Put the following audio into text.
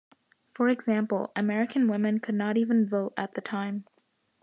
For example, American women could not even vote at the time.